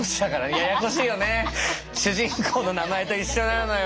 主人公の名前と一緒なのよ。